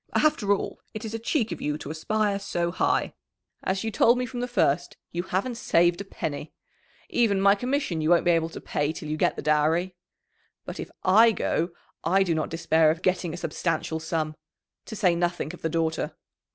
After all, it is a cheek of you to aspire so high. As you told me from the first, you haven't saved a penny. Even my commission you won't be able to pay till you get the dowry. But if I go, I do not despair of getting a substantial sum to say nothing of the daughter."